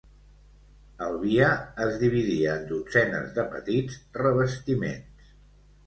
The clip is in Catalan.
El via es dividia en dotzenes de petits revestiments.